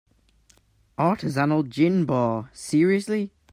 Artisanal gin bar, seriously?!